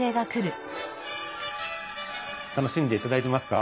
楽しんでいただいてますか？